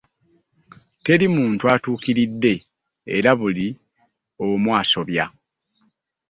Teri muntu atuukiridde era buli omu asobya.